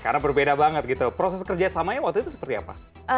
karena berbeda banget gitu proses kerja samanya waktu itu seperti apa